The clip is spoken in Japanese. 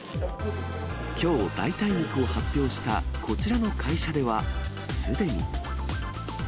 きょう、代替肉を発表したこちらの会社では、すでに。